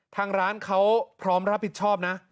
ทางร้านเขาพร้อมรับผิดชอบนะ